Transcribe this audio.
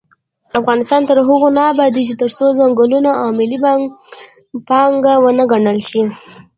افغانستان تر هغو نه ابادیږي، ترڅو ځنګلونه ملي پانګه ونه ګڼل شي.